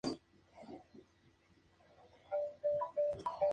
Miembro de la Unión de Derechas.